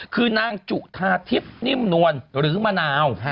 คือนางจุธาทิพย์นิ่มนวลหรือมะนาว